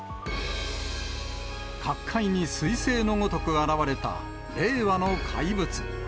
角界にすい星のごとく現れた、令和の怪物。